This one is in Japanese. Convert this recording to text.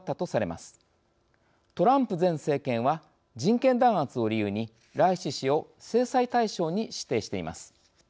トランプ前政権は人権弾圧を理由にライシ師を制裁対象に指定しています。